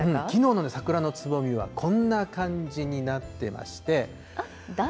きのうの桜のつぼみは、こんな感じになってまして。